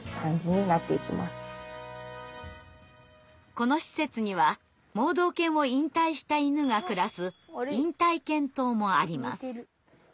この施設には盲導犬を引退した犬が暮らす引退犬棟もあります。